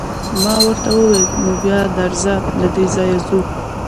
ما ورته وویل: نو بیا درځه، له دې ځایه ځو.